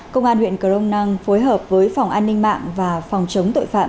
công an huyện cờ rông năng phối hợp với phòng an ninh mạng và phòng chống tội phạm